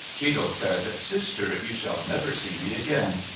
Chethl said, " Sister, you shall never see me again.